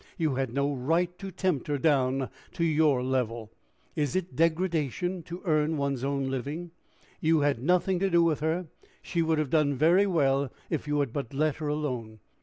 You had no right to tempt her down to your level." "Is it degradation to earn one's own living?" "You had nothing to do with her. She would have done very well if you had but let her alone."